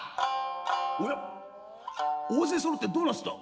「おや大勢揃ってどうなすった。